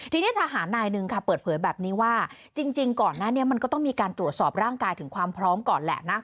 ทีนี้ทหารนายหนึ่งค่ะเปิดเผยแบบนี้ว่าจริงก่อนหน้านี้มันก็ต้องมีการตรวจสอบร่างกายถึงความพร้อมก่อนแหละนะ